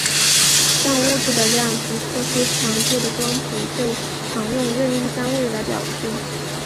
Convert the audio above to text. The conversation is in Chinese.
像物质的量及特殊强度的光谱就常用任意单位来表示。